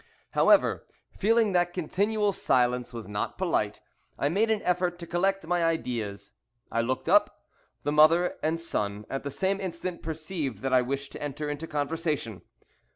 However, feeling that continual silence was not polite, I made an effort to collect my ideas. I looked up. The mother and son at the same instant perceived that I wished to enter into conversation.